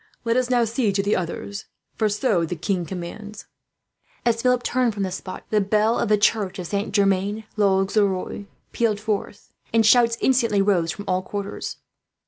Let us now see to the others, for so the king commands." As Philip turned from the spot, the bell of the church of Saint Germain l'Auxerrois peeled forth, and shouts instantly rose from all quarters.